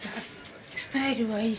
スタイルはいいし。